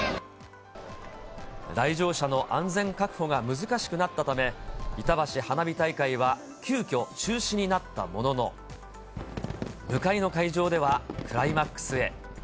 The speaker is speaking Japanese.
来場者の安全確保が難しくなったため、いたばし花火大会は急きょ、中止になったものの、向かいの会場では、クライマックスへ。